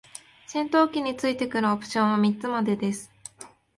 戦闘機に付いてくるオプションは三つまでです。